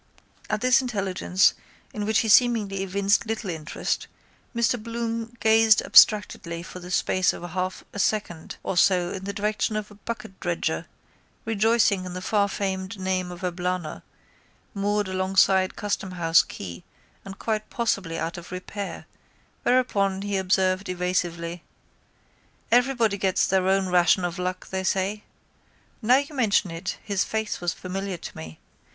At this intelligence, in which he seemingly evinced little interest, Mr Bloom gazed abstractedly for the space of a half a second or so in the direction of a bucketdredger, rejoicing in the farfamed name of Eblana, moored alongside Customhouse quay and quite possibly out of repair, whereupon he observed evasively: —Everybody gets their own ration of luck, they say. Now you mention it his face was familiar to me.